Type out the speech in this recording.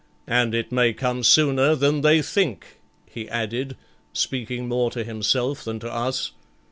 And it may come sooner than they think,' he added, speaking more to himself than to us.